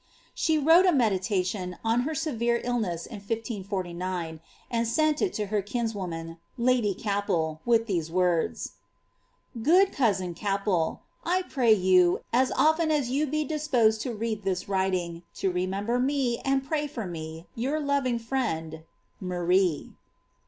She wrote a mediuition on her severe illness in 1540, and sent it to her kinswoman, lady Capel, with these words :—>^ Good cousin Gapel, — 1 pray you, as often as you be disposed to read this writing, to remember me and pray for me, your loving friend, ^ Marie.''